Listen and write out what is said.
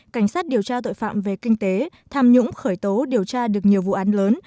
cảnh sát điều tra tội phạm về kinh tế tham nhũng khởi tố điều tra được nhiều vụ án lớn